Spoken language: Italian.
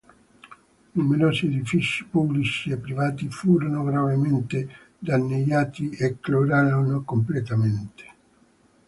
Numerosi edifici, pubblici e privati, furono gravemente danneggiati o crollarono completamente.